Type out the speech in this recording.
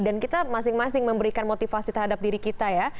dan kita masing masing memberikan motivasi terhadap diri kita ya